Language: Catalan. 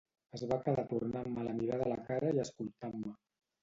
Es va quedar tornant-me la mirada a la cara i escoltant-me.